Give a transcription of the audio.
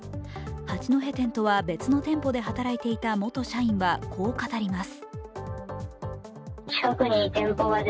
八戸店とは別の店舗で働いていた元社員はこう語ります。